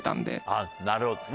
あっなるほど。